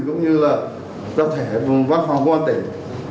cũng như là đồng thể văn hóa công an tỉnh